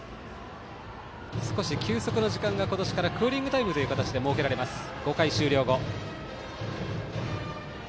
少し休息の時間が、今年からクーリングタイムという形で設けられます、５回終了後。